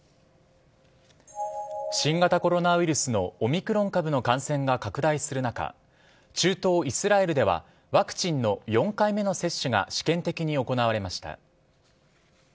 新型コロナウイルスのオミクロン株の感染が拡大する中、中東イスラエルでは、ワクチンの４回目の接種が試験的に行われました。